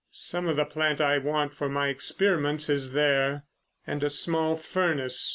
Some of the plant I want for my experiments is there and a small furnace.